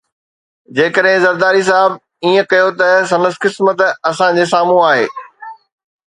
جيڪڏهن زرداري صاحب ائين ڪيو ته سندس قسمت اسان جي سامهون آهي.